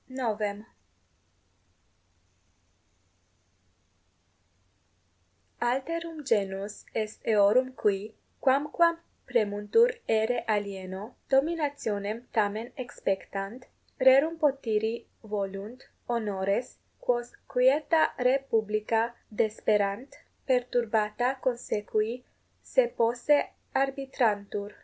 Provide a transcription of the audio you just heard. =9.= Alterum genus est eorum qui, quamquam premuntur aere 19 alieno, dominationem tamen exspectant, rerum potiri volunt, honores, quos quieta re publica desperant, perturbata consequi se posse arbitrantur.